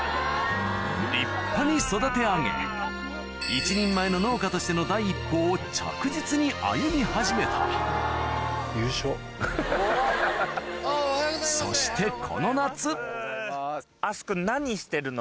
立派に育て上げ一人前の農家としての第一歩を着実に歩み始めたそして阿須加君何してるの？